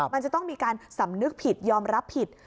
มันจะต้องมีการสำนึกผิดยอมรับผิด